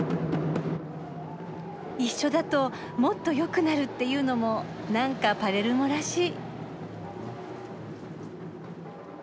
「一緒だともっと良くなる」っていうのもなんかパレルモらしい。